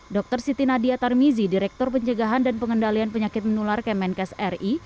dr siti nadia tarmizi direktur pencegahan dan pengendalian penyakit menular kemenkes ri